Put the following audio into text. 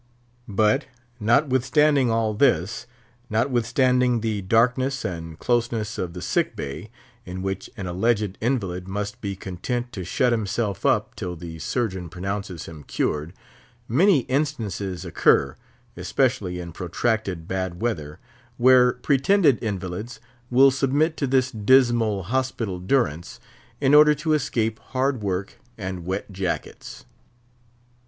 But, notwithstanding all this, notwithstanding the darkness and closeness of the sick bay, in which an alleged invalid must be content to shut himself up till the Surgeon pronounces him cured, many instances occur, especially in protracted bad weather, where pretended invalids will submit to this dismal hospital durance, in order to escape hard work and wet jackets.